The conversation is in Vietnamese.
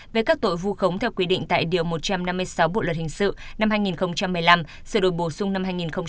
về các tội vu khống theo quy định tại điều một trăm năm mươi sáu bộ luật hình sự năm hai nghìn một mươi năm sửa đổi bổ sung năm hai nghìn một mươi bảy